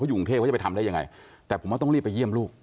อยู่กรุงเทพเขาจะไปทำได้ยังไงแต่ผมว่าต้องรีบไปเยี่ยมลูก